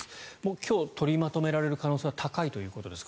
今日、取りまとめられる可能性は高いということですか。